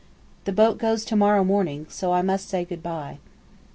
The boat goes to morrow morning so I must say goodbye.